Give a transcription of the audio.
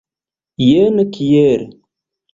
Jen kiel.